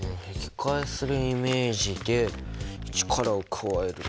開するイメージで力を加える。